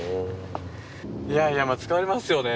いやいや疲れますよね